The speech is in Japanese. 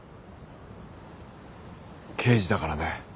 刑事だからね。